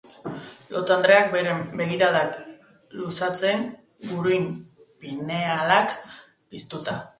Loto-andreak beren begiradak luzatzen, guruin pinealak piztuta.